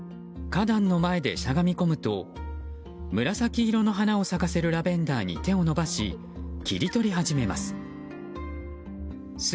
花壇の前でしゃがみ込むと紫色の花を咲かせるラベンダーに手を伸ばし切り取り始めます。